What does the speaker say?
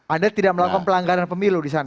anda tidak melakukan pelanggaran pemilu di sana